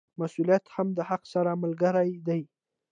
مسوولیت هم د حق سره ملګری دی.